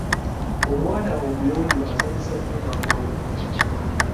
Omwana omuyonjo asanyusa nnyo maama we.